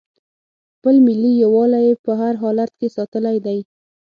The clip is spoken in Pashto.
خپل ملي یووالی یې په هر حالت کې ساتلی دی.